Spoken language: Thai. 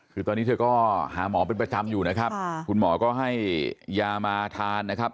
คือตอนนี้เธอก็หาหมอเป็นประจำอยู่นะครับคุณหมอก็ให้ยามาทานนะครับ